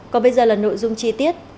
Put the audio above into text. còn bây giờ là nội dung chi tiết